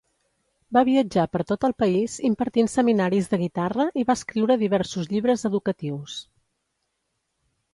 Va viatjar per tot el país impartint seminaris de guitarra i va escriure diversos llibres educatius.